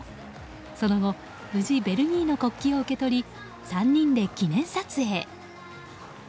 その後無事ベルギーの国旗を受け取り３人で記念撮影。